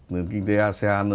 nền kinh tế asean